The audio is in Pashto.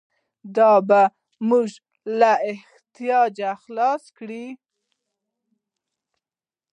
دا به موږ له احتیاجه خلاص کړي.